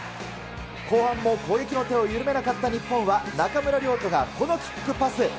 後半も攻撃の手を緩めなかった日本は中村亮都がこのキックパス。